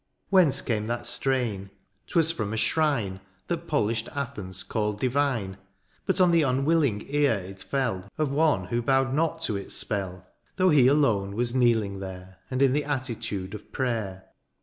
Whence came that strain ? 'twas firom a shrine That polished Athens called divine^ But on the unwilling ear it fell Of one who bowed not to its spell. Though he alone was kneeling there, And in the attitude of prayer.